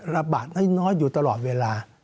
ระบาดน้อยอยู่ตลอดเวลา